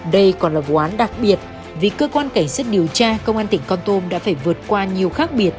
đây còn là vụ án đặc biệt vì cơ quan cảnh sát điều tra công an tỉnh con tôm đã phải vượt qua nhiều khác biệt